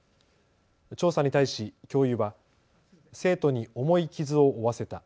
調査に対し教諭は生徒に重い傷を負わせた。